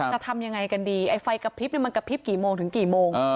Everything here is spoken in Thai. จะทำยังไงกันดีไอ้ไฟกระพริบมันกระพริบกี่โมงถึงกี่โมง